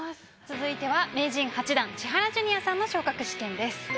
続いては名人８段千原ジュニアさんの昇格試験です。